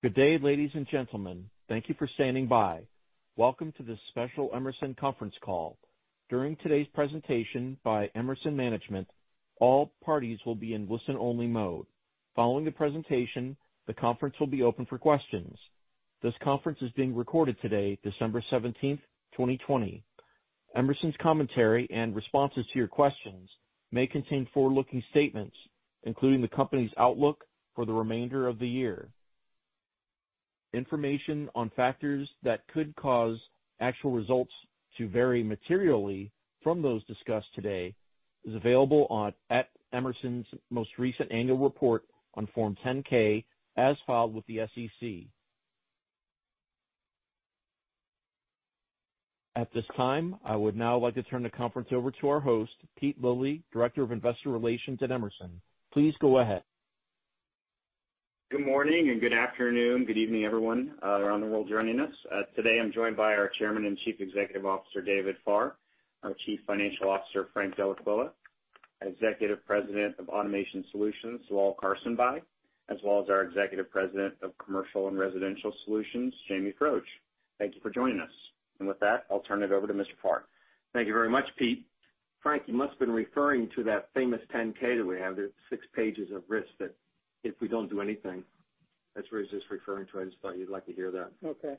Good day, ladies and gentlemen. Thank you for standing by. Welcome to this special Emerson conference call. During today's presentation by Emerson management, all parties will be in listen-only mode. Following the presentation, the conference will be open for questions. This conference is being recorded today, December 17th, 2020. Emerson's commentary and responses to your questions may contain forward-looking statements, including the company's outlook for the remainder of the year. Information on factors that could cause actual results to vary materially from those discussed today is available at Emerson's most recent annual report on Form 10-K as filed with the SEC. At this time, I would now like to turn the conference over to our host, Pete Lilly, Director of Investor Relations at Emerson. Please go ahead. Good morning, and good afternoon, good evening, everyone around the world joining us. Today, I'm joined by our Chairman and Chief Executive Officer, David Farr, our Chief Financial Officer, Frank Dellaquila, Executive President of Automation Solutions, Lal Karsanbhai, as well as our Executive President of Commercial & Residential Solutions, Jamie Froedge. Thank you for joining us. With that, I'll turn it over to Mr. Farr. Thank you very much, Pete. Frank, you must have been referring to that famous 10-K that we have. There's six pages of risks that if we don't do anything, that's what he's just referring to. I just thought you'd like to hear that. Okay.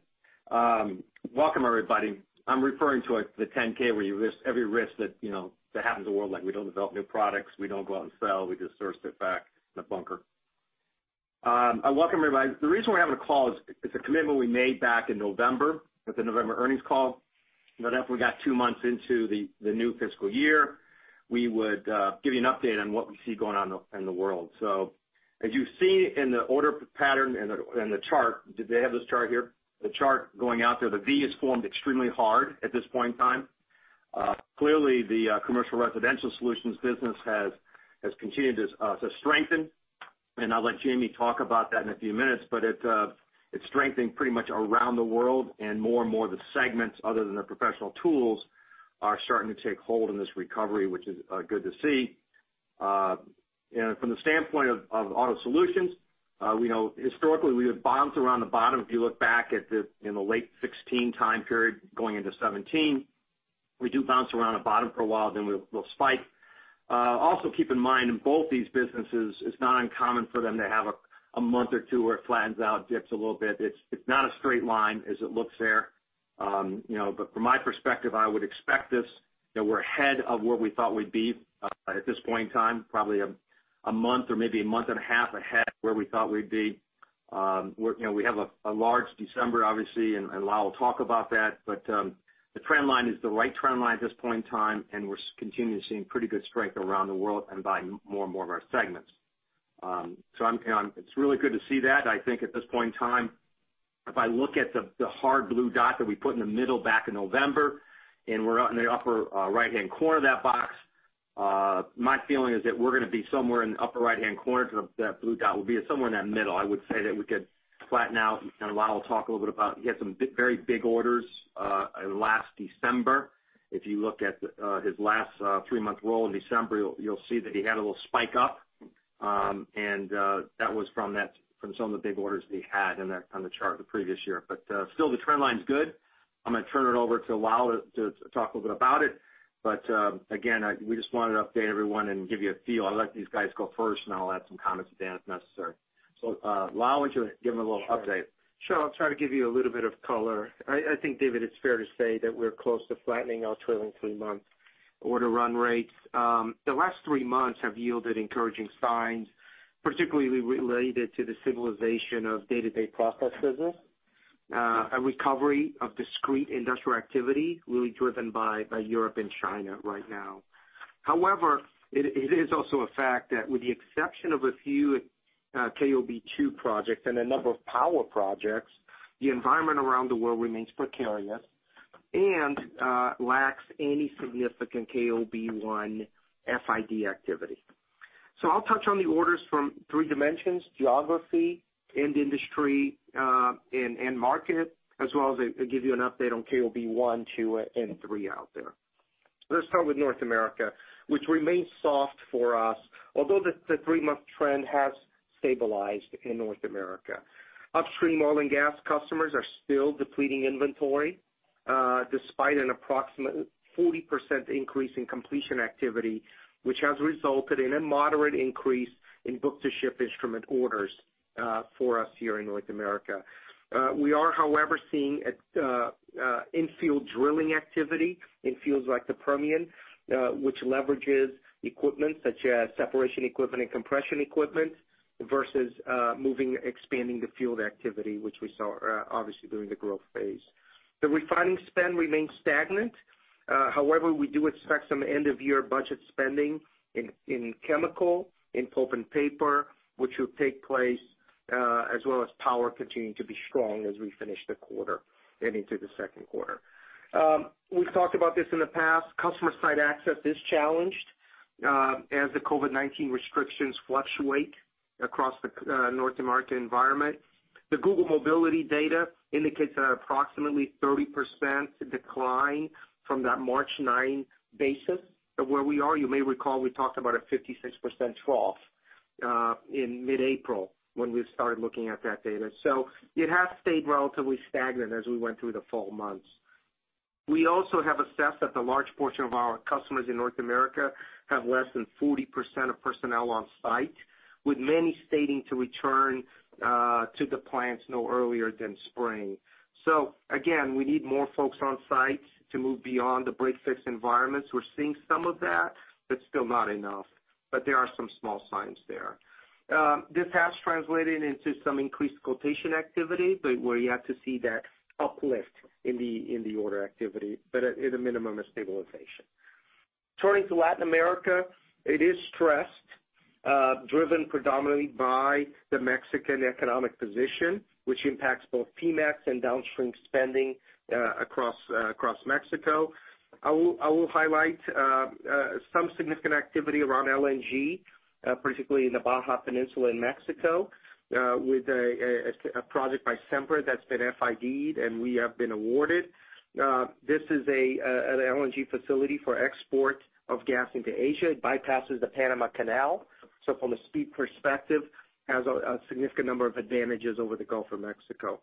Welcome, everybody. I'm referring to the 10-K, where you list every risk that happens in the world, like we don't develop new products, we don't go out and sell, we just source it back in a bunker. Welcome, everybody. The reason we're having a call is it's a commitment we made back in November, at the November earnings call, that after we got two months into the new fiscal year, we would give you an update on what we see going on in the world. As you see in the order pattern in the chart, do they have this chart here? The chart going out there, the V has formed extremely hard at this point in time. Clearly, the Commercial & Residential Solutions business has continued to strengthen, and I'll let Jamie talk about that in a few minutes, but it's strengthening pretty much around the world, and more and more of the segments other than the Professional Tools are starting to take hold in this recovery, which is good to see. From the standpoint of Automation Solutions, we know historically we would bounce around the bottom. If you look back in the late 2016 time period going into 2017, we do bounce around a bottom for a while, then we'll spike. Also keep in mind, in both these businesses, it's not uncommon for them to have a month or two where it flattens out, dips a little bit. It's not a straight line as it looks there. From my perspective, I would expect this, that we're ahead of where we thought we'd be at this point in time, probably a month or maybe a month and a half ahead where we thought we'd be. We have a large December, obviously, Lal will talk about that. The trend line is the right trend line at this point in time, and we're continuing to see pretty good strength around the world and by more and more of our segments. It's really good to see that. I think at this point in time, if I look at the hard blue dot that we put in the middle back in November, and we're out in the upper right-hand corner of that box, my feeling is that we're going to be somewhere in the upper right-hand corner. That blue dot will be somewhere in that middle. I would say that we could flatten out, Lal will talk a little bit about, he had some very big orders last December. If you look at his last three-month roll in December, you'll see that he had a little spike up. That was from some of the big orders that he had on the chart the previous year. Still, the trend line's good. I'm going to turn it over to Lal to talk a little bit about it. Again, we just wanted to update everyone and give you a feel. I'll let these guys go first, then I'll add some comments at the end if necessary. Lal, why don't you give them a little update? Sure. I'll try to give you a little bit of color. I think, David, it's fair to say that we're close to flattening our trailing three-month order run rates. The last three months have yielded encouraging signs, particularly related to the stabilization of day-to-day process business. A recovery of discrete industrial activity, really driven by Europe and China right now. However, it is also a fact that with the exception of a few KOB2 projects and a number of power projects, the environment around the world remains precarious and lacks any significant KOB1 FID activity. I'll touch on the orders from three dimensions: geography, end industry, and end market, as well as give you an update on KOB1, KOB2, and KOB3 out there. Let's start with North America, which remains soft for us, although the three-month trend has stabilized in North America. Upstream oil and gas customers are still depleting inventory, despite an approximate 40% increase in completion activity, which has resulted in a moderate increase in book-to-ship instrument orders for us here in North America. We are, however, seeing infield drilling activity in fields like the Permian, which leverages equipment such as separation equipment and compression equipment versus moving, expanding the field activity, which we saw obviously during the growth phase. The refining spend remains stagnant. We do expect some end-of-year budget spending in Chemical, in Pulp & Paper, which will take place, as well as power continuing to be strong as we finish the quarter and into the second quarter. We've talked about this in the past. Customer site access is challenged as the COVID-19 restrictions fluctuate across the North American environment. The Google mobility data indicates an approximately 30% decline from that March 9 basis. Where we are, you may recall, we talked about a 56% trough in mid-April when we started looking at that data. It has stayed relatively stagnant as we went through the fall months. We also have assessed that the large portion of our customers in North America have less than 40% of personnel on site, with many stating to return to the plants no earlier than spring. Again, we need more folks on site to move beyond the break-fix environments. We're seeing some of that, but still not enough, but there are some small signs there. This has translated into some increased quotation activity, but we're yet to see that uplift in the order activity. At a minimum, a stabilization. Turning to Latin America, it is stressed, driven predominantly by the Mexican economic position, which impacts both Pemex and downstream spending across Mexico. I will highlight some significant activity around LNG, particularly in the Baja Peninsula in Mexico, with a project by Sempra that's been FID'd, and we have been awarded. This is an LNG facility for export of gas into Asia. It bypasses the Panama Canal, so from a speed perspective, has a significant number of advantages over the Gulf of Mexico.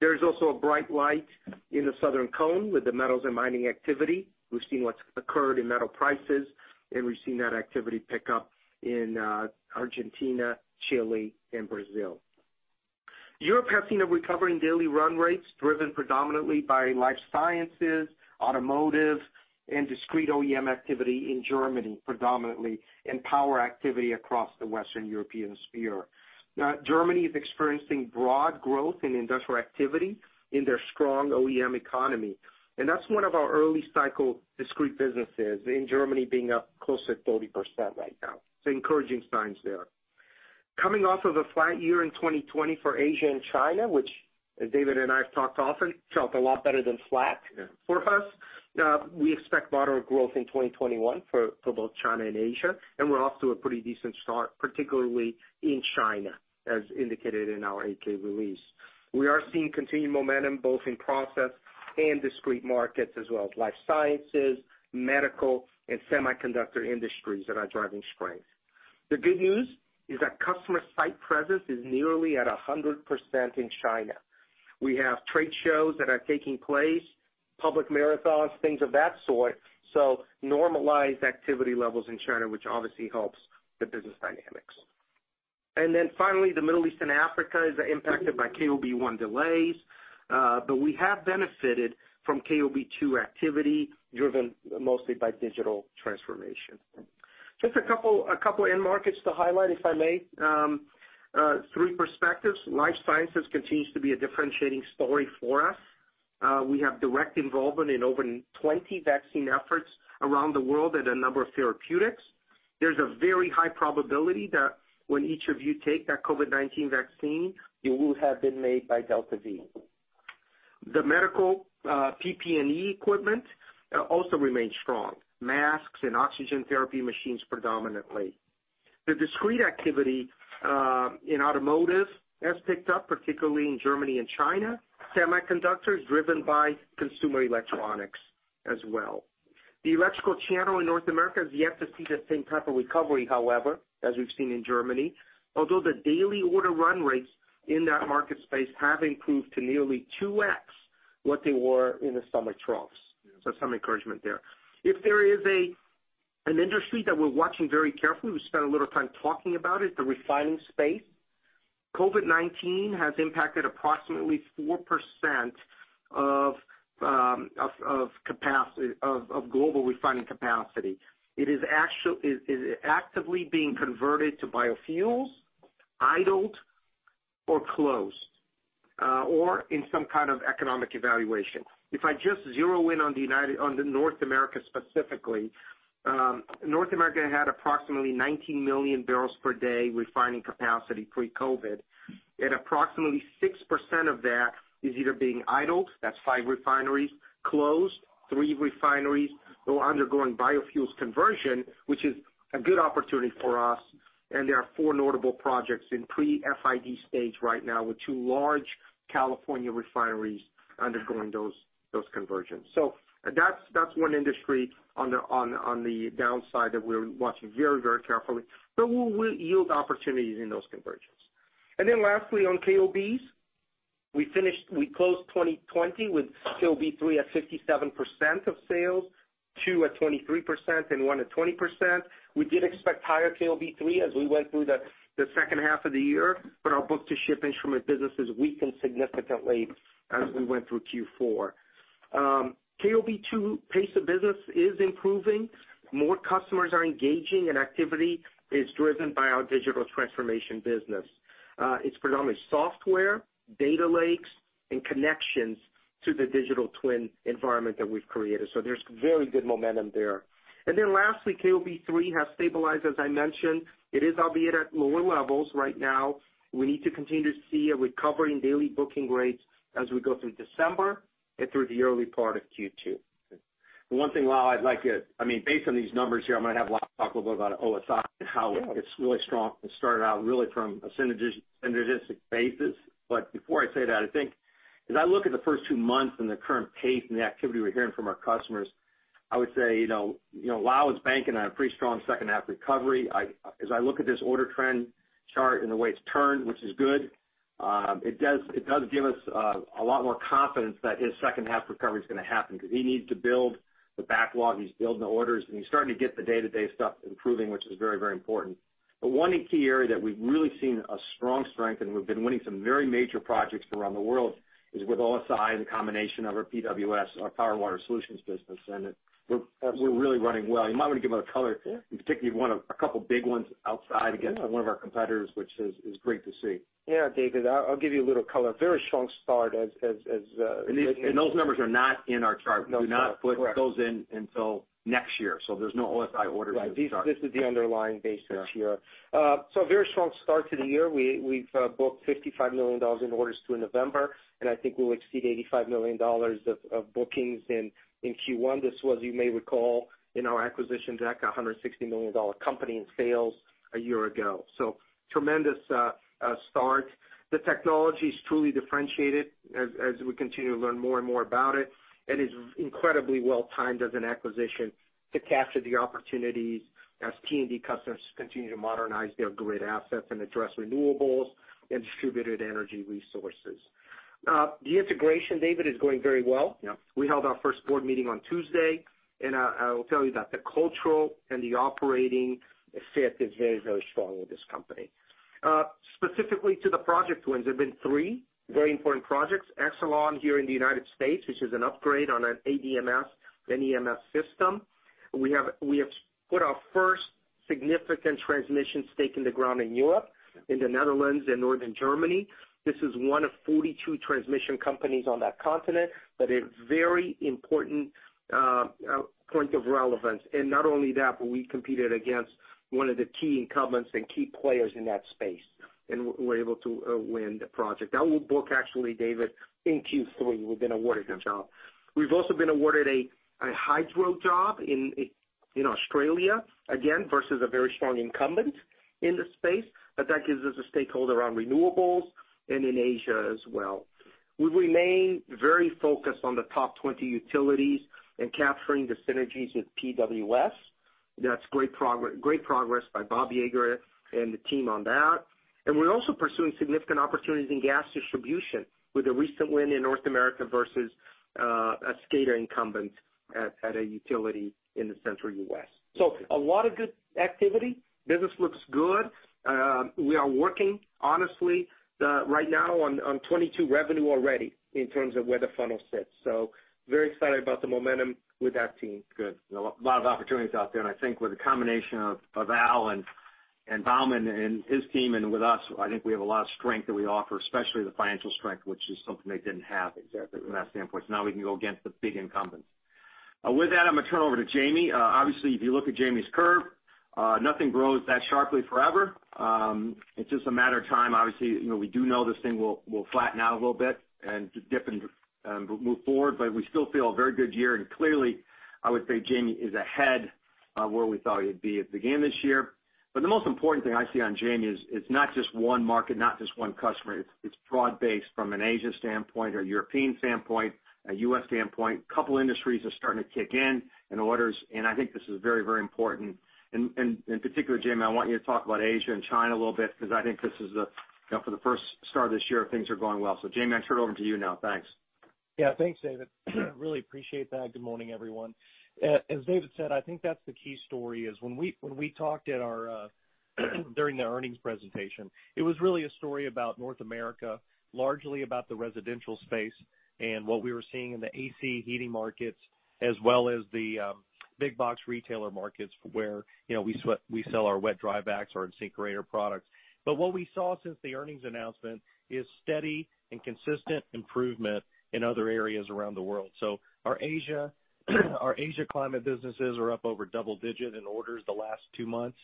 There is also a bright light in the Southern Cone with the metals and mining activity. We've seen what's occurred in metal prices, and we've seen that activity pick up in Argentina, Chile, and Brazil. Europe has seen a recovery in daily run rates driven predominantly by Life Sciences, Automotive, and Discrete OEM activity in Germany, predominantly, and power activity across the Western European sphere. Germany is experiencing broad growth in industrial activity in their strong OEM economy. That's one of our early cycle discrete businesses in Germany being up close to 30% right now. Encouraging signs there. Coming off of a flat year in 2020 for Asia and China, which as David and I have talked often, felt a lot better than flat for us. We expect moderate growth in 2021 for both China and Asia. We're off to a pretty decent start, particularly in China, as indicated in our 8-K release. We are seeing continued momentum both in process and discrete markets as well as Life Sciences, Medical, and Semiconductor industries that are driving strength. The good news is that customer site presence is nearly at 100% in China. We have trade shows that are taking place, public marathons, things of that sort, so normalized activity levels in China, which obviously helps the business dynamics. Then finally, the Middle East and Africa is impacted by KOB1 delays. We have benefited from KOB2 activity driven mostly by digital transformation. Just a couple of end markets to highlight, if I may. Three perspectives. Life Sciences continues to be a differentiating story for us. We have direct involvement in over 20 vaccine efforts around the world and a number of therapeutics. There's a very high probability that when each of you take that COVID-19 vaccine, it will have been made by DeltaV. The medical PPE equipment also remains strong. Masks and oxygen therapy machines predominantly. The discrete activity in automotive has picked up, particularly in Germany and China. Semiconductors driven by consumer electronics as well. The electrical channel in North America has yet to see the same type of recovery, however, as we've seen in Germany, although the daily order run rates in that market space have improved to nearly 2x what they were in the summer troughs. Some encouragement there. If there is an industry that we're watching very carefully, we spent a little time talking about it, the refining space. COVID-19 has impacted approximately 4% of global refining capacity. It is actively being converted to biofuels, idled or closed or in some kind of economic evaluation. If I just zero in on North America specifically, North America had approximately 19 MMbpd refining capacity pre-COVID, and approximately 6% of that is either being idled, that's five refineries, closed three refineries or undergoing biofuels conversion, which is a good opportunity for us. There are four notable projects in pre-FID stage right now with two large California refineries undergoing those conversions. That's one industry on the downside that we're watching very carefully, but will yield opportunities in those conversions. Lastly, on KOBs, we closed 2020 with KOB3 at 57% of sales, KOB2 at 23%, and KOB1 at 20%. We did expect higher KOB3 as we went through the second half of the year, but our book-to-ship instrument businesses weakened significantly as we went through Q4. KOB2 pace of business is improving. More customers are engaging, and activity is driven by our digital transformation business. It's predominantly software, data lakes, and connections to the Digital Twin environment that we've created. There's very good momentum there. Lastly, KOB3 has stabilized, as I mentioned. It is albeit at lower levels right now. We need to continue to see a recovery in daily booking rates as we go through December and through the early part of Q2. One thing, Lal, based on these numbers here, I'm going to have Lal talk a little bit about OSI and how it's really strong and started out really from a synergistic basis. Before I say that, I think as I look at the first two months and the current pace and the activity we're hearing from our customers, I would say, Lal is banking on a pretty strong second half recovery. As I look at this order trend chart and the way it's turned, which is good, it does give us a lot more confidence that his second half recovery is going to happen, because he needs to build the backlog, he's building the orders, and he's starting to get the day-to-day stuff improving, which is very important. One key area that we've really seen a strong strength, and we've been winning some very major projects around the world, is with OSI and the combination of our PWS, our Power & Water Solutions business. We're really running well. You might want to give it a color. Sure. In particular, you've won a couple of big ones outside against one of our competitors, which is great to see. Yeah, David, I'll give you a little color. Those numbers are not in our chart. No. We do not put those in until next year. There's no OSI orders at the start. Right. This is the underlying basis here. Yeah. A very strong start to the year. We've booked $55 million in orders through November, and I think we'll exceed $85 million of bookings in Q1. This was, you may recall, in our acquisition deck, a $160 million company in sales a year ago. Tremendous start. The technology's truly differentiated as we continue to learn more and more about it, and is incredibly well-timed as an acquisition to capture the opportunities as T&D customers continue to modernize their grid assets and address renewables and distributed energy resources. The integration, David, is going very well. Yeah. We held our first board meeting on Tuesday, and I will tell you that the cultural and the operating fit is very strong with this company. Specifically to the project wins, there's been three very important projects. Exelon here in the U.S., which is an upgrade on an ADMS, an EMS system. We have put our first significant transmission stake in the ground in Europe, in the Netherlands and Northern Germany. This is one of 42 transmission companies on that continent, but a very important point of relevance. Not only that, but we competed against one of the key incumbents and key players in that space, and were able to win the project. That we'll book actually, David, in Q3, we've been awarded the job. We've also been awarded a hydro job in Australia, again, versus a very strong incumbent in the space. That gives us a stakeholder on renewables and in Asia as well. We remain very focused on the top 20 utilities and capturing the synergies with PWS. That's great progress by Bob Yeager and the team on that. We're also pursuing significant opportunities in gas distribution with a recent win in North America versus a SCADA incumbent at a utility in the central U.S. A lot of good activity. Business looks good. We are working honestly right now on 2022 revenue already in terms of where the funnel sits. Very excited about the momentum with that team. Good. A lot of opportunities out there. I think with the combination of Lal and Bahman and his team and with us, I think we have a lot of strength that we offer, especially the financial strength, which is something they didn't have exactly from that standpoint. Now we can go against the big incumbents. With that, I'm going to turn over to Jamie. Obviously, if you look at Jamie's curve, nothing grows that sharply forever. It's just a matter of time. Obviously, we do know this thing will flatten out a little bit and dip and move forward. We still feel a very good year. Clearly, I would say Jamie is ahead of where we thought he'd be at the beginning of this year. The most important thing I see on Jamie is it's not just one market, not just one customer. It's broad-based from an Asia standpoint or European standpoint, a U.S. standpoint. A couple industries are starting to kick in and orders. I think this is very important. In particular, Jamie, I want you to talk about Asia and China a little bit, because I think this is for the first start of this year, things are going well. Jamie, I turn it over to you now. Thanks. Yeah. Thanks, David. Really appreciate that. Good morning, everyone. As David said, I think that's the key story is when we talked during the earnings presentation, it was really a story about North America, largely about the residential space and what we were seeing in the AC heating markets, as well as the big box retailer markets where we sell our Wet/Dry Vacs, our InSinkErator products. What we saw since the earnings announcement is steady and consistent improvement in other areas around the world. Our Asia climate businesses are up over double-digit in orders the last two months.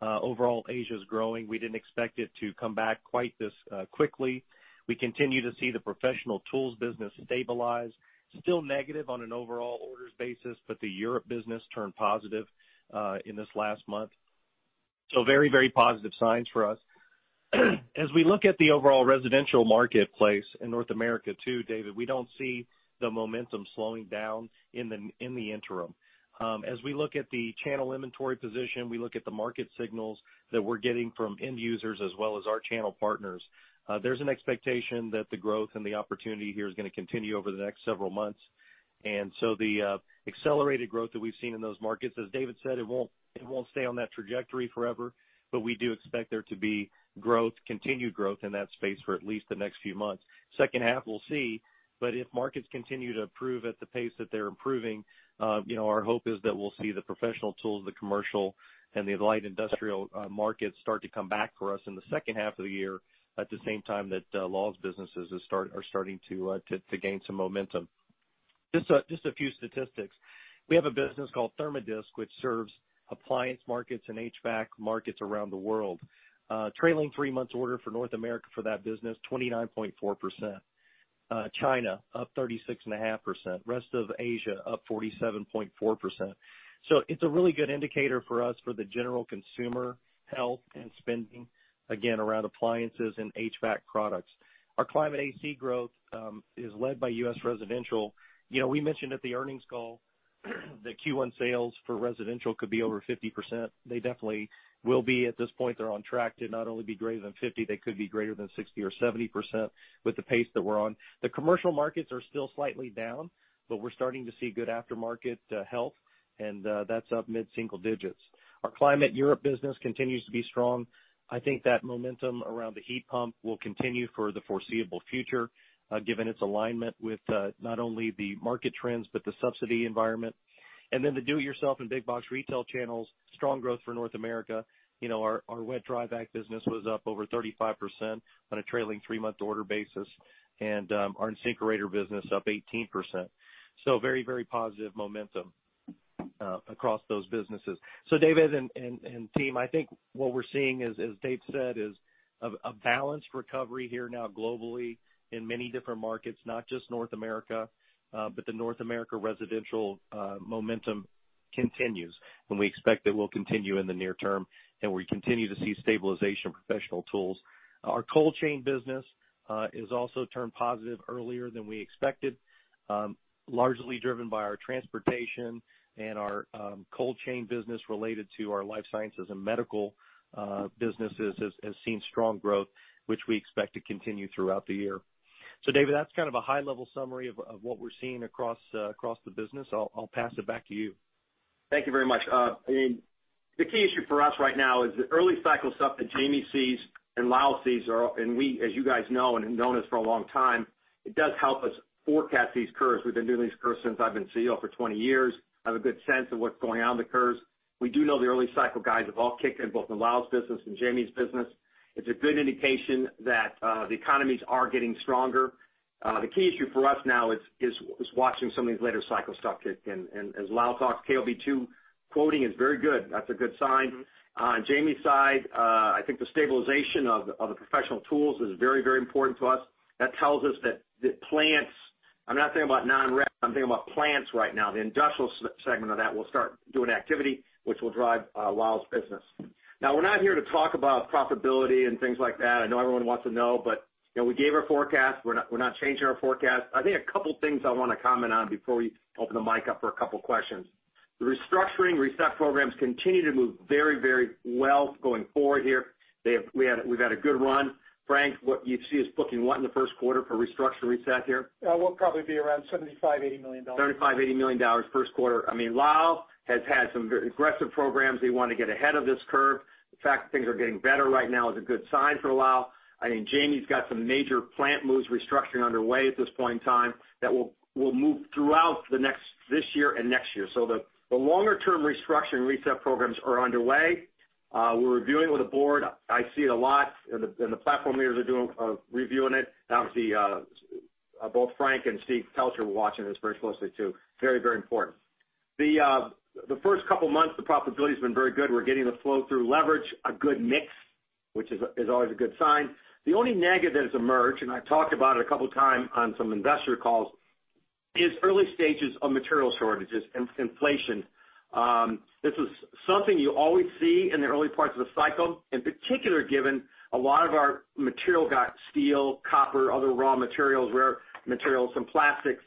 Overall, Asia is growing. We didn't expect it to come back quite this quickly. We continue to see the Professional Tools business stabilize, still negative on an overall orders basis, but the Europe business turned positive in this last month. Very positive signs for us. As we look at the overall residential marketplace in North America, too, David, we don't see the momentum slowing down in the interim. As we look at the channel inventory position, we look at the market signals that we're getting from end users as well as our channel partners, there's an expectation that the growth and the opportunity here is going to continue over the next several months. The accelerated growth that we've seen in those markets, as David said, it won't stay on that trajectory forever. We do expect there to be continued growth in that space for at least the next few months. Second half, we'll see. If markets continue to improve at the pace that they're improving, our hope is that we'll see the Professional Tools, the commercial, and the light industrial markets start to come back for us in the second half of the year, at the same time that Lal's businesses are starting to gain some momentum. Just a few statistics. We have a business called Therm-O-Disc, which serves appliance markets and HVAC markets around the world. Trailing three months order for North America for that business, 29.4%. China, up 36.5%. Rest of Asia, up 47.4%. It's a really good indicator for us for the general consumer health and spending, again, around appliances and HVAC products. Our climate AC growth is led by U.S. residential. We mentioned at the earnings call. The Q1 sales for residential could be over 50%. They definitely will be at this point. They're on track to not only be greater than 50%, they could be greater than 60% or 70% with the pace that we're on. The commercial markets are still slightly down, we're starting to see good aftermarket health, and that's up mid-single digits. Our climate Europe business continues to be strong. I think that momentum around the heat pump will continue for the foreseeable future, given its alignment with not only the market trends but the subsidy environment. The do-it-yourself and big box retail channels, strong growth for North America. Our Wet/Dry Vac business was up over 35% on a trailing three-month order basis. Our InSinkErator business up 18%. Very, very positive momentum across those businesses. David and team, I think what we're seeing, as Dave said, is a balanced recovery here now globally in many different markets, not just North America, but the North America residential momentum continues, and we expect that will continue in the near term, and we continue to see stabilization Professional Tools. Our Cold Chain business has also turned positive earlier than we expected, largely driven by our transportation and our Cold Chain business related to our Life Sciences & Medical businesses has seen strong growth, which we expect to continue throughout the year. David, that's kind of a high-level summary of what we're seeing across the business. I'll pass it back to you. Thank you very much. The key issue for us right now is the early cycle stuff that Jamie sees and Lal sees are up, and we, as you guys know and have known us for a long time, it does help us forecast these curves. We've been doing these curves since I've been CEO for 20 years. I have a good sense of what's going on in the curves. We do know the early cycle guides have all kicked in, both in Lal's business and Jamie's business. It's a good indication that the economies are getting stronger. The key issue for us now is watching some of these later cycle stuff kick in. As Lal talked, KOB2 quoting is very good. That's a good sign. On Jamie's side, I think the stabilization of the Professional Tools is very, very important to us. That tells us that plants, I'm not talking about non-res, I'm talking about plants right now. The industrial segment of that will start doing activity, which will drive Lal's business. We're not here to talk about profitability and things like that. I know everyone wants to know, we gave our forecast. We're not changing our forecast. I think a couple of things I want to comment on before we open the mic up for a couple of questions. The restructuring reset programs continue to move very well going forward here. We've had a good run. Frank, what you see is booking what in the first quarter for restructure reset here? We'll probably be around $75 million, $80 million. $75 million, $80 million first quarter. Lal has had some aggressive programs. They want to get ahead of this curve. The fact that things are getting better right now is a good sign for Lal. I think Jamie's got some major plant moves restructuring underway at this point in time that will move throughout this year and next year. The longer-term restructuring reset programs are underway. We're reviewing it with the board. I see it a lot, and the platform leaders are reviewing it. Obviously, both Frank and Steve Pelch are watching this very closely, too. Very, very important. The first couple of months, the profitability has been very good. We're getting the flow through leverage, a good mix, which is always a good sign. The only negative that has emerged, and I talked about it a couple of times on some investor calls, is early stages of material shortages and inflation. This is something you always see in the early parts of the cycle, in particular, given a lot of our material got steel, copper, other raw materials, rare materials, some plastics.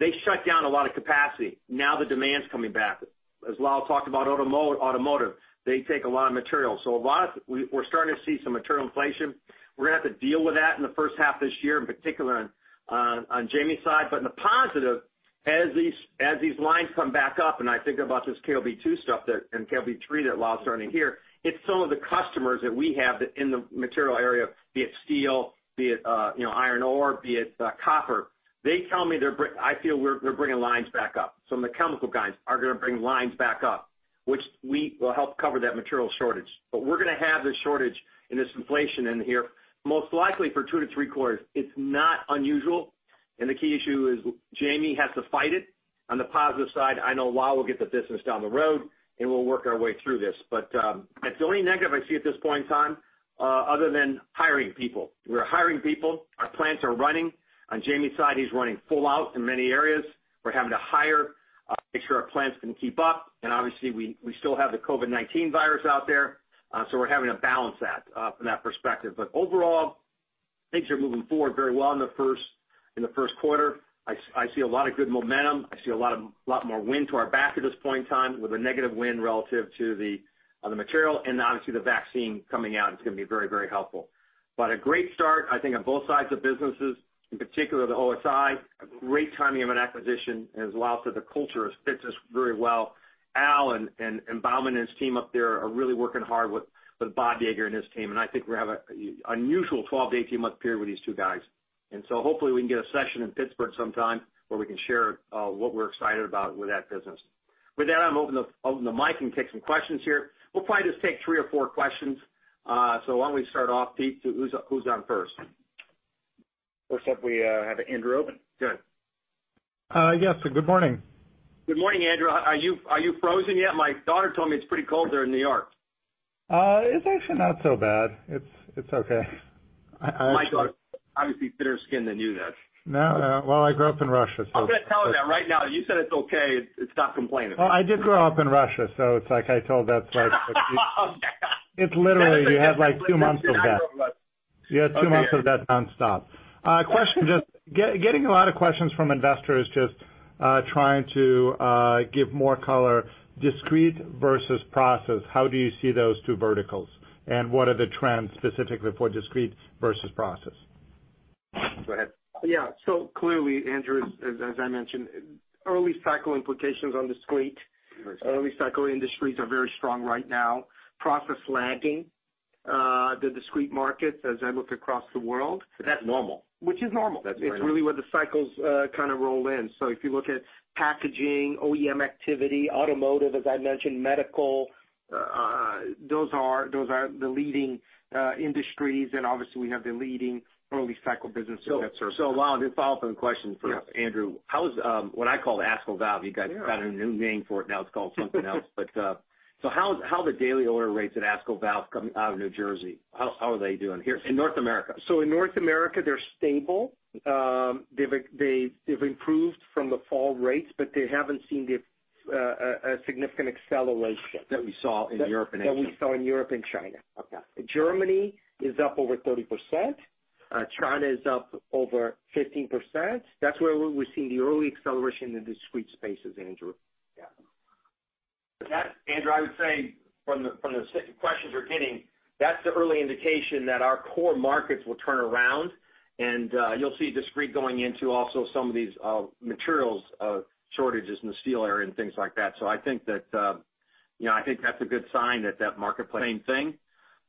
They shut down a lot of capacity. Now the demand's coming back. As Lal talked about automotive, they take a lot of material. A lot of it, we're starting to see some material inflation. We're going to have to deal with that in the first half this year, in particular on Jamie's side. In the positive, as these lines come back up, and I think about this KOB2 stuff there and KOB3 that Lal's starting here. It's some of the customers that we have in the material area, be it steel, be it iron ore, be it copper. They tell me, I feel we're bringing lines back up. Some of the Chemical guys are going to bring lines back up, which will help cover that material shortage. We're going to have this shortage and this inflation in here most likely for two to three quarters. It's not unusual, and the key issue is Jamie has to fight it. On the positive side, I know Lal will get the business down the road, and we'll work our way through this. It's the only negative I see at this point in time, other than hiring people. We're hiring people. Our plants are running. On Jamie's side, he's running full out in many areas. We're having to hire, make sure our plants can keep up. Obviously, we still have the COVID-19 virus out there, so we're having to balance that from that perspective. Overall, things are moving forward very well in the first quarter. I see a lot of good momentum. I see a lot more wind to our back at this point in time with a negative wind relative to the material and obviously the vaccine coming out is going to be very, very helpful. A great start, I think, on both sides of businesses, in particular the OSI. Great timing of an acquisition, and as Lal said, the culture fits us very well. Lal and Bahman and his team up there are really working hard with Bob Yeager and his team, and I think we have an unusual 12-18 month period with these two guys. Hopefully we can get a session in Pittsburgh sometime where we can share what we're excited about with that business. With that, I'll open the mic and take some questions here. We'll probably just take three or four questions. Why don't we start off, Pete, to who's on first? First up, we have Andrew. Good. Yes, good morning. Good morning, Andrew. Are you frozen yet? My daughter told me it's pretty cold there in New York. It's actually not so bad. It's okay. My daughter's obviously thinner-skinned than you then. No. Well, I grew up in Russia. I'm going to tell her that right now. You said it's okay. It's not complaining. Well, I did grow up in Russia, so it's like I told that story. Oh, man. It's literally, you have like two months of that. You had two months of that nonstop. Getting a lot of questions from investors, just trying to give more color, discrete versus process, how do you see those two verticals? What are the trends specifically for discrete versus process? Go ahead. Yeah. Clearly, Andrew, as I mentioned, early cycle implications on discrete. Early cycle industries are very strong right now. Process lagging the discrete markets as I look across the world. That's normal. Which is normal. That's very normal. It's really where the cycles kind of roll in. If you look at packaging, OEM activity, automotive, as I mentioned, medical, those are the leading industries. Obviously we have the leading early cycle businesses that serve them. Lal, just a follow-up question for Andrew. How is what I call the ASCO Valve? You guys got a new name for it now, it's called something else. How are the daily order rates at ASCO Valve coming out of New Jersey? How are they doing here in North America? In North America, they're stable. They've improved from the fall rates, but they haven't seen a significant acceleration. That we saw in Europe and China. That we saw in Europe and China. Okay. Germany is up over 30%. China is up over 15%. That's where we're seeing the early acceleration in discrete spaces, Andrew. Yeah. That, Andrew, I would say from the questions we're getting, that's the early indication that our core markets will turn around and you'll see discrete going into also some of these materials shortages in the steel area and things like that. I think that's a good sign that that marketplace same thing.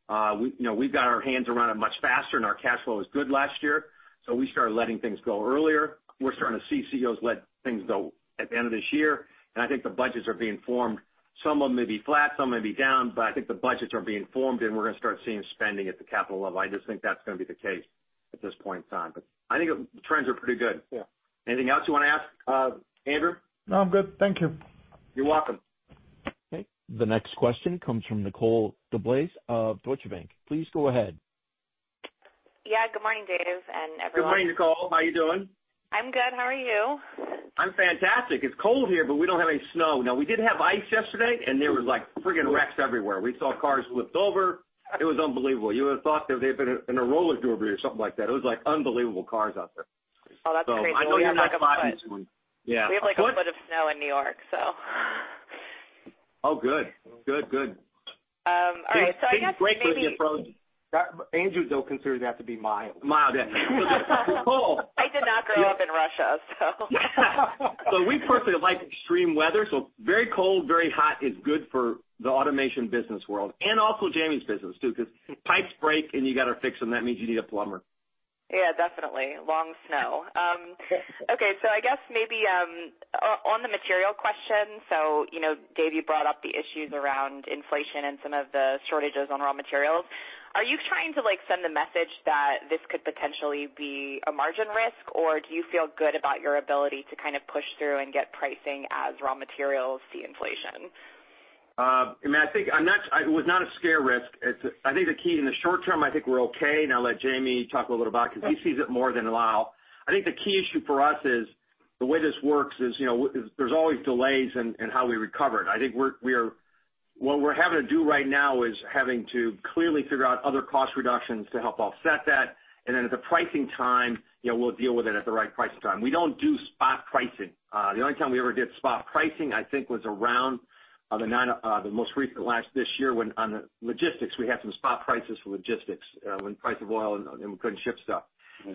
We've got our hands around it much faster and our cash flow was good last year, so we started letting things go earlier. We're starting to see CEOs let things go at the end of this year, and I think the budgets are being formed. Some of them may be flat, some may be down, but I think the budgets are being formed and we're going to start seeing spending at the capital level. I just think that's going to be the case at this point in time. I think the trends are pretty good. Yeah. Anything else you want to ask, Andrew? No, I'm good. Thank you. You're welcome. Okay. The next question comes from Nicole DeBlase of Deutsche Bank. Please go ahead. Yeah. Good morning, Dave and everyone. Good morning, Nicole. How are you doing? I'm good. How are you? I'm fantastic. It's cold here, but we don't have any snow. We did have ice yesterday, and there was like frigging wrecks everywhere. We saw cars flipped over. It was unbelievable. You would have thought that they'd been in a roller derby or something like that. It was like unbelievable cars out there. Oh, that's crazy. We have like a foot. Yeah. We have like a foot of snow in New York. Oh, good. Good. All right. Things break with the approach. Andrew, though, considers that to be mild. Mild, yeah. It's cold. I did not grow up in Russia. We personally like extreme weather, so very cold, very hot is good for the Automation business world, and also Jamie's business too, because pipes break and you got to fix them. That means you need a plumber. Yeah, definitely. Long snow. On the material question. Dave, you brought up the issues around inflation and some of the shortages on raw materials. Are you trying to send the message that this could potentially be a margin risk, or do you feel good about your ability to kind of push through and get pricing as raw materials see inflation? It was not a scare risk. I think the key in the short term, I think we're okay. I'll let Jamie talk a little bit about it because he sees it more than Lal. I think the key issue for us is the way this works is there's always delays in how we recover it. I think what we're having to do right now is having to clearly figure out other cost reductions to help offset that, and then at the pricing time, we'll deal with it at the right pricing time. We don't do spot pricing. The only time we ever did spot pricing, I think was around the most recent last this year on logistics. We had some spot prices for logistics when price of oil and we couldn't ship stuff.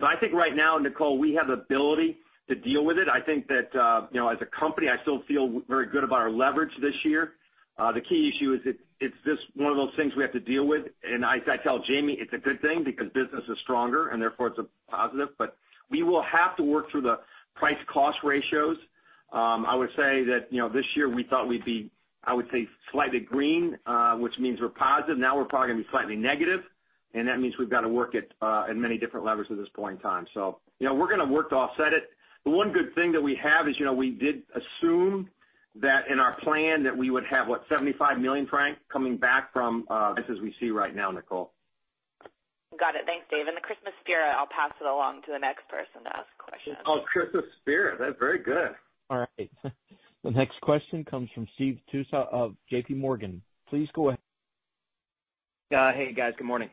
I think right now, Nicole, we have the ability to deal with it. I think that as a company, I still feel very good about our leverage this year. The key issue is it's just one of those things we have to deal with. As I tell Jamie, it's a good thing because business is stronger and therefore it's a positive, but we will have to work through the price cost ratios. I would say that this year we thought we'd be, I would say, slightly green, which means we're positive. Now we're probably going to be slightly negative, and that means we've got to work at many different levers at this point in time. We're going to work to offset it. The one good thing that we have is we did assume that in our plan that we would have, what, $75 million coming back from this as we see right now, Nicole. Got it. Thanks, Dave. In the Christmas spirit, I'll pass it along to the next person to ask a question. Oh, Christmas spirit. That's very good. All right. The next question comes from Steve Tusa of JPMorgan. Please go ahead. Hey, guys. Good morning.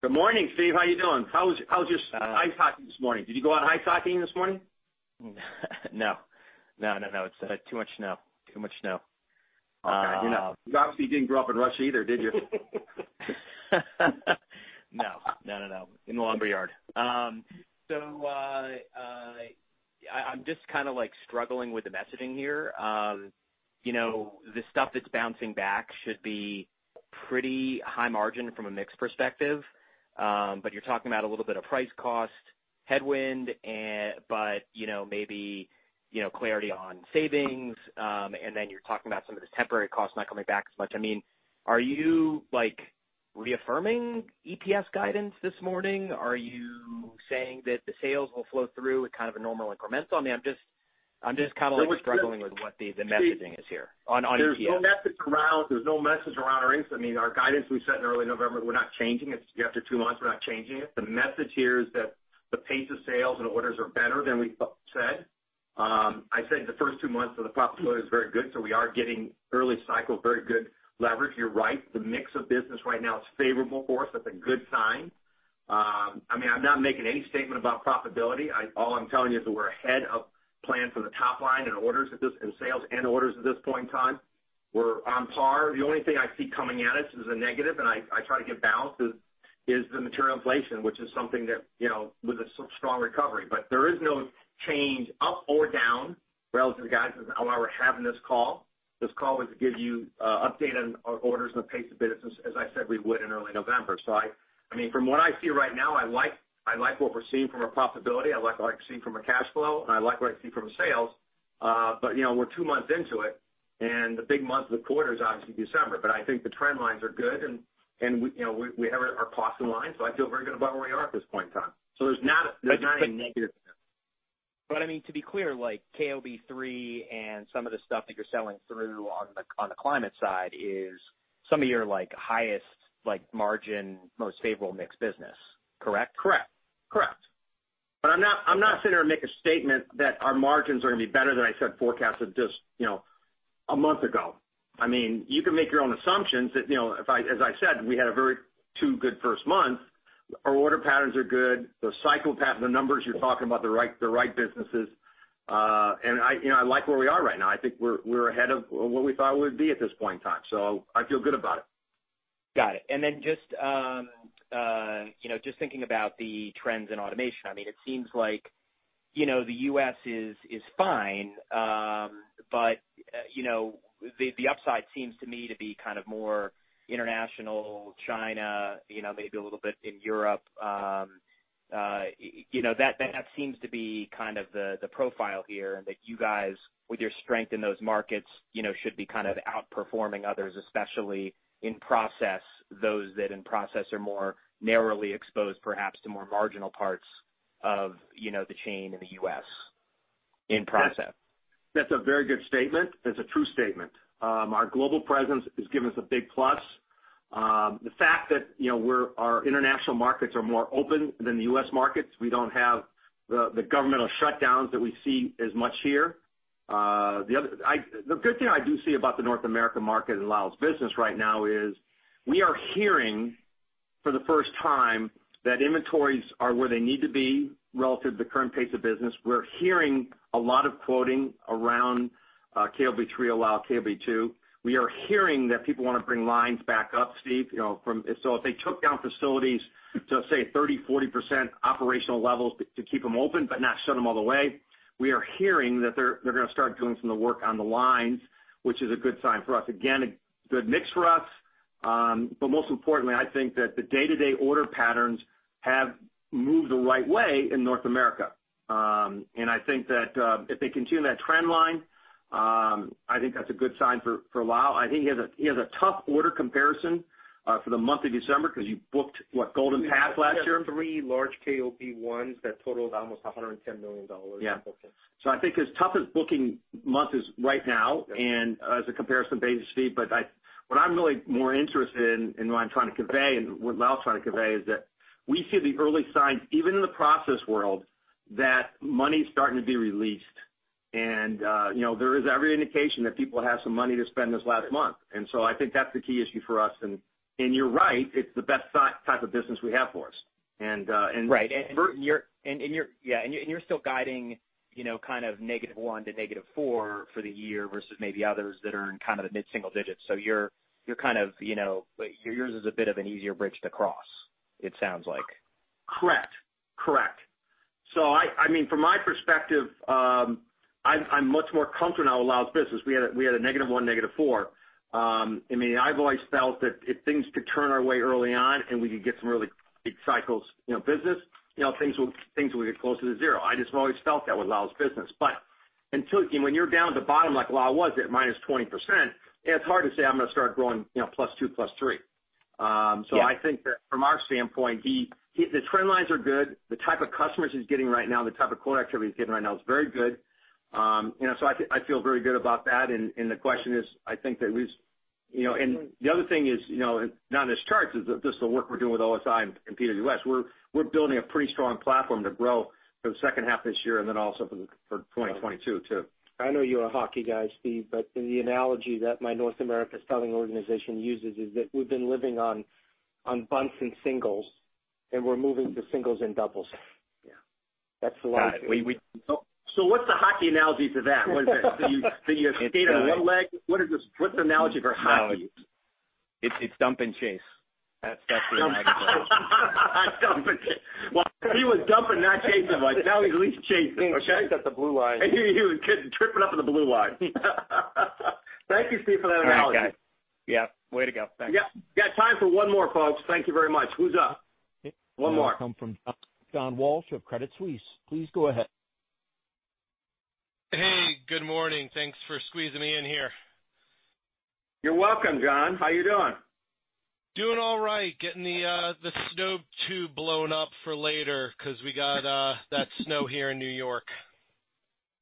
Good morning, Steve. How you doing? How was your ice hockey this morning? Did you go out ice hockeying this morning? No. It's too much snow. Okay. You obviously didn't grow up in Russia either, did you? No. In the laundry yard. I'm just kind of struggling with the messaging here. The stuff that's bouncing back should be pretty high margin from a mix perspective. You're talking about a little bit of price cost headwind, but maybe clarity on savings, and then you're talking about some of this temporary cost not coming back as much. Are you reaffirming EPS guidance this morning? Are you saying that the sales will flow through with kind of a normal incremental? I'm just kind of struggling with what the messaging is here on EPS. There's no message around our earnings. Our guidance we set in early November, we're not changing it. After two months, we're not changing it. The message here is that the pace of sales and orders are better than we said. I said the first two months of the profit quarter is very good. We are getting early cycle, very good leverage. You're right, the mix of business right now is favorable for us. That's a good sign. I'm not making any statement about profitability. All I'm telling you is that we're ahead of plan for the top line in orders and sales at this point in time. We're on par. The only thing I see coming at us as a negative, and I try to give balance, is the material inflation. There is no change up or down relative to the guidance on why we're having this call. This call was to give you an update on our orders and the pace of business, as I said we would in early November. From what I see right now, I like what we're seeing from our profitability, I like what I see from a cash flow, and I like what I see from sales. We're two months into it, and the big month of the quarter is obviously December. I think the trend lines are good, and we have our costs in line, so I feel very good about where we are at this point in time. There's not any negatives there. To be clear, KOB3 and some of the stuff that you're selling through on the climate side is some of your highest margin, most favorable mixed business, correct? Correct. I'm not sitting here to make a statement that our margins are going to be better than I said forecasted just a month ago. You can make your own assumptions that, as I said, we had a very two good first months. Our order patterns are good. The cycle patterns, the numbers you're talking about, they're right businesses. I like where we are right now. I think we're ahead of where we thought we would be at this point in time. I feel good about it. Got it. Just thinking about the trends in automation, it seems like the U.S. is fine. The upside seems to me to be kind of more international, China, maybe a little bit in Europe. That seems to be kind of the profile here, and that you guys, with your strength in those markets, should be kind of outperforming others, especially in process, those that in process are more narrowly exposed, perhaps, to more marginal parts of the chain in the U.S. in process. That's a very good statement. That's a true statement. Our global presence has given us a big plus. The fact that our international markets are more open than the U.S. markets. We don't have the governmental shutdowns that we see as much here. The good thing I do see about the North America market in Lal's business right now is we are hearing for the first time that inventories are where they need to be relative to the current pace of business. We're hearing a lot of quoting around KOB3 or Lal KOB2. We are hearing that people want to bring lines back up, Steve. If they took down facilities to, say, 30%-40% operational levels to keep them open but not shut them all the way, we are hearing that they're going to start doing some of the work on the lines, which is a good sign for us. Again, a good mix for us. Most importantly, I think that the day-to-day order patterns have moved the right way in North America. I think that if they continue that trend line, I think that's a good sign for Lal. I think he has a tough order comparison for the month of December because you booked, what, Golden Pass last year? We booked three large KOBs that totaled almost $110 million in bookings. Yeah. I think his toughest booking month is right now, and as a comparison basis, Steve. What I'm really more interested in, and what I'm trying to convey, and what Lal's trying to convey, is that we see the early signs, even in the process world, that money's starting to be released. There is every indication that people have some money to spend this last month. I think that's the key issue for us. You're right, it's the best type of business we have for us. Right. You're still guiding -1 to -4 for the year versus maybe others that are in the mid-single digits. Yours is a bit of an easier bridge to cross, it sounds like. Correct. From my perspective, I'm much more comfortable now with Lal's business. We had a -1, -4. I've always felt that if things could turn our way early on, and we could get some really big cycles business, things will get closer to zero. I just have always felt that with Lal's business. When you're down at the bottom like Lal was at -20%, it's hard to say I'm going to start growing +2, +3. Yeah. I think that from our standpoint, the trend lines are good. The type of customers he's getting right now, the type of quote activity he's getting right now is very good. I feel very good about that. The other thing is, not on his charts, is just the work we're doing with OSI and PWS. We're building a pretty strong platform to grow for the second half of this year and then also for 2022 too. I know you're a hockey guy, Steve, but the analogy that my North America selling organization uses is that we've been living on bunts and singles, and we're moving to singles and doubles. Yeah. That's the line- Got it. What's the hockey analogy to that? What is that? That you skate on one leg? What's the analogy for hockey? It's dump and chase. That's the analogy for it. Dump and chase. He was dumping, not chasing, but now he's at least chasing. Okay. He chased at the blue line. He was tripping up at the blue line. Thank you, Steve, for that analogy. All right, guys. Yep. Way to go. Thanks. Yep. Got time for one more, folks. Thank you very much. Who's up? One more. It will come from John Walsh of Credit Suisse. Please go ahead. Hey, good morning. Thanks for squeezing me in here. You're welcome, John. How you doing? Doing all right. Getting the snow tube blown up for later because we got that snow here in New York.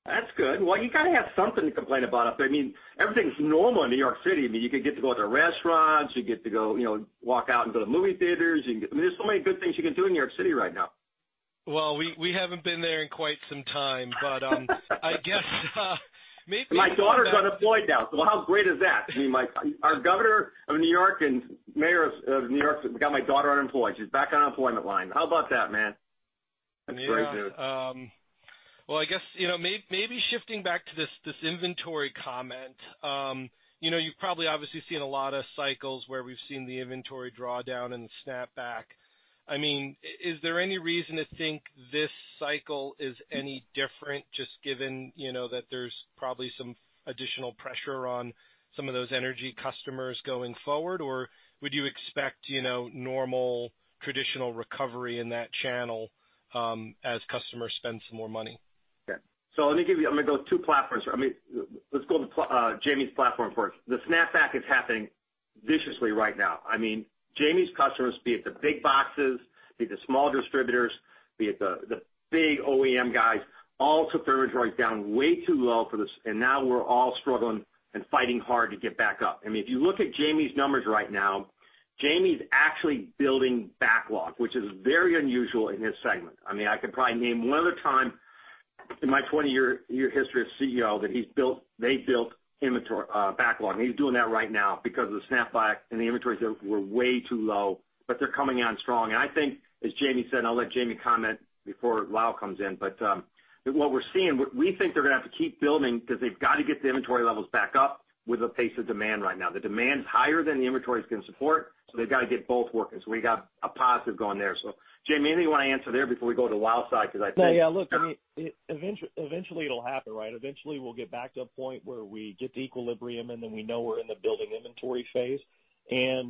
That's good. You got to have something to complain about up there. Everything's normal in New York City. You can get to go to restaurants, you get to walk out and go to movie theaters. There's so many good things you can do in New York City right now. Well, we haven't been there in quite some time. My daughter's unemployed now, so how great is that. Our governor of New York and mayor of New York got my daughter unemployed. She's back on unemployment line. How about that, man. That's great, dude. Yeah. Well, I guess, maybe shifting back to this inventory comment. You've probably obviously seen a lot of cycles where we've seen the inventory draw down and snap back. Is there any reason to think this cycle is any different, just given that there's probably some additional pressure on some of those energy customers going forward? Or would you expect normal, traditional recovery in that channel as customers spend some more money? Yeah. Let me give you, I'm going to go two platforms. Let's go to Jamie's platform first. The snapback is happening viciously right now. Jamie's customers, be it the big boxes, be it the small distributors, be it the big OEM guys, all took their inventories down way too low for this, and now we're all struggling and fighting hard to get back up. If you look at Jamie's numbers right now, Jamie's actually building backlog, which is very unusual in his segment. I could probably name one other time in my 20-year history as CEO that they built backlog. He's doing that right now because of the snap back and the inventories were way too low, but they're coming on strong. I think, as Jamie said, and I'll let Jamie comment before Lal comes in, but what we're seeing, we think they're going to have to keep building because they've got to get the inventory levels back up with the pace of demand right now. The demand's higher than the inventories can support. They've got to get both working. We got a positive going there. Jamie, anything you want to answer there before we go to Lal's side? Yeah, look, eventually it'll happen, right? We'll get back to a point where we get to equilibrium, and then we know we're in the building inventory phase.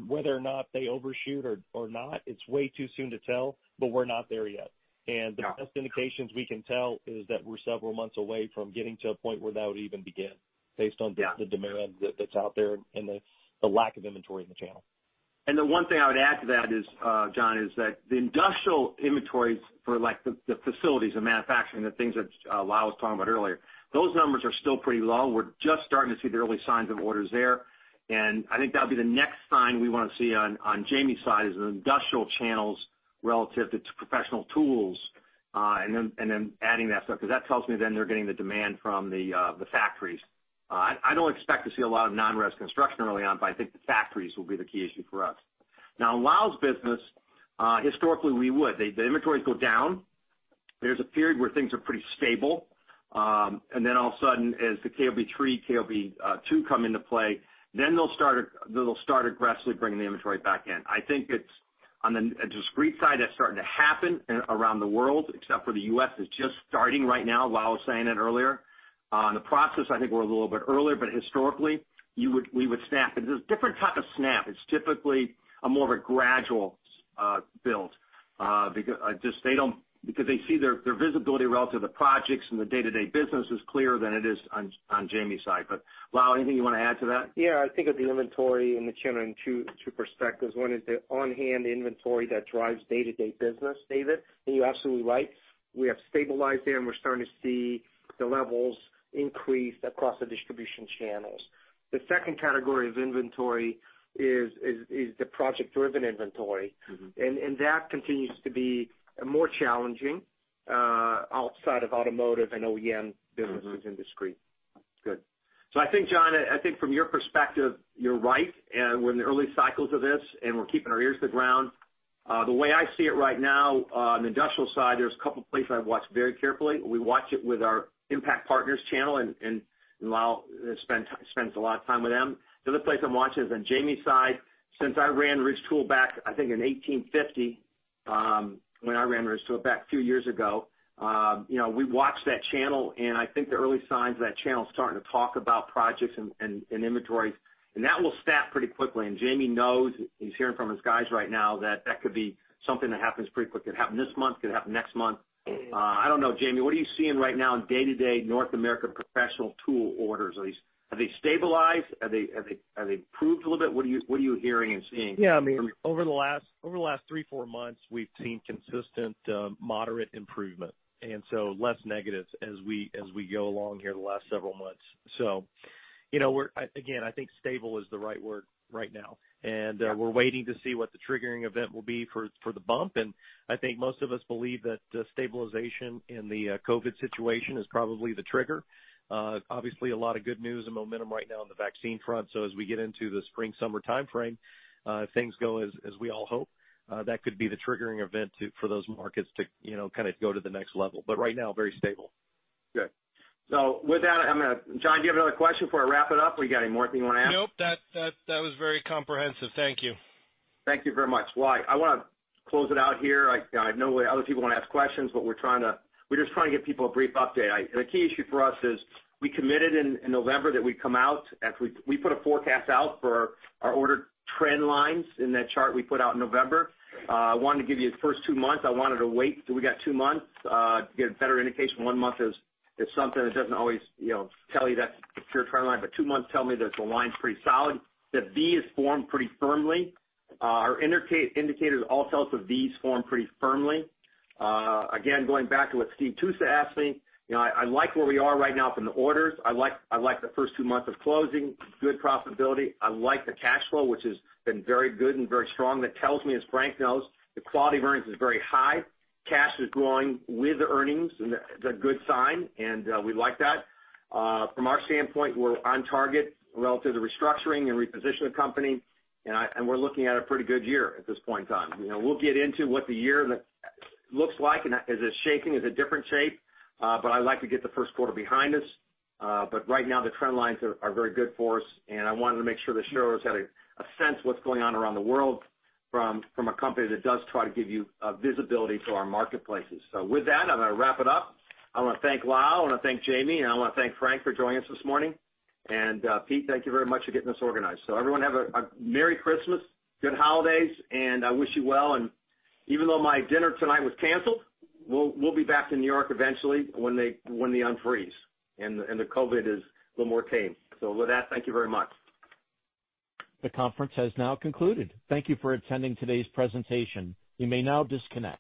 Whether or not they overshoot or not, it's way too soon to tell, but we're not there yet. No. The best indications we can tell is that we're several months away from getting to a point where that would even begin based on the demand that's out there and the lack of inventory in the channel. The one thing I would add to that, John, is that the industrial inventories for the facilities, the manufacturing, the things that Lal was talking about earlier, those numbers are still pretty low. We're just starting to see the early signs of orders there. I think that'll be the next sign we want to see on Jamie's side is the industrial channels relative to Professional Tools, then adding that stuff. That tells me then they're getting the demand from the factories. I don't expect to see a lot of non-res construction early on. I think the factories will be the key issue for us. Lal's business, historically we would. The inventories go down. There's a period where things are pretty stable. Then all of a sudden, as the KOB3, KOB2 come into play, then they'll start aggressively bringing the inventory back in. I think on the discrete side, that's starting to happen around the world, except for the U.S. is just starting right now. Lal was saying it earlier. On the process, I think we're a little bit earlier. Historically, we would snap. It's a different type of snap. It's typically a more of a gradual build. They see their visibility relative to projects and the day-to-day business is clearer than it is on Jamie's side. Lal, anything you want to add to that? Yeah, I think of the inventory in the channel in two perspectives. One is the on-hand inventory that drives day-to-day business, David, and you're absolutely right. We have stabilized there, and we're starting to see the levels increase across the distribution channels. The second category of inventory is the project-driven inventory. That continues to be more challenging outside of automotive and OEM businesses in discrete. Good. I think, John, I think from your perspective, you're right, and we're in the early cycles of this, and we're keeping our ears to the ground. The way I see it right now on the industrial side, there's a couple places I've watched very carefully. We watch it with our Impact Partners channel, and Lal spends a lot of time with them. The other place I'm watching is on Jamie's side. Since I ran Ridge Tool back, I think in 1850, when I ran Ridge Tool back a few years ago, we watched that channel, and I think the early signs of that channel starting to talk about projects and inventories. That will snap pretty quickly. Jamie knows, he's hearing from his guys right now that that could be something that happens pretty quickly. It could happen this month, could happen next month. I don't know Jamie, what are you seeing right now in day-to-day North America professional tool orders? Have they stabilized? Have they improved a little bit? Yeah, over the last three, four months, we've seen consistent moderate improvement, and so less negatives as we go along here the last several months. Again, I think stable is the right word right now. Yeah. We're waiting to see what the triggering event will be for the bump. I think most of us believe that stabilization in the COVID situation is probably the trigger. Obviously, a lot of good news and momentum right now on the vaccine front. As we get into the spring, summer timeframe, if things go as we all hope, that could be the triggering event for those markets to kind of go to the next level. Right now, very stable. Good. With that, John, do you have another question before I wrap it up? We got any more thing you want to ask? Nope. That was very comprehensive. Thank you. Thank you very much. Well, I want to close it out here. I have no way other people want to ask questions, but we're just trying to give people a brief update. The key issue for us is we committed in November that we put a forecast out for our order trend lines in that chart we put out in November. I wanted to give you the first two months. I wanted to wait till we got two months to get a better indication. One month is something that doesn't always tell you that secure trend line, but two months tell me that the line's pretty solid, that V is formed pretty firmly. Our indicators all tell us a V is formed pretty firmly. Again, going back to what Steve Tusa asked me, I like where we are right now from the orders. I like the first two months of closing. Good profitability. I like the cash flow, which has been very good and very strong. That tells me, as Frank knows, the quality of earnings is very high. Cash is growing with earnings, and that's a good sign, and we like that. From our standpoint, we're on target relative to restructuring and reposition the company, and we're looking at a pretty good year at this point in time. We'll get into what the year looks like and is it shaping, is a different shape, but I'd like to get the first quarter behind us. Right now, the trend lines are very good for us, and I wanted to make sure the shareholders had a sense of what's going on around the world from a company that does try to give you visibility to our marketplaces. With that, I'm going to wrap it up. I want to thank Lal, I want to thank Jamie, and I want to thank Frank for joining us this morning. Pete, thank you very much for getting us organized. Everyone, have a Merry Christmas, good holidays, and I wish you well. Even though my dinner tonight was canceled, we'll be back to New York eventually when they unfreeze, and the COVID-19 is a little more tame. With that, thank you very much. The conference has now concluded. Thank you for attending today's presentation. You may now disconnect.